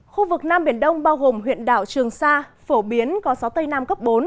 khu vực nam biển đông bao gồm huyện đảo trường sa phổ biến có gió tây nam cấp bốn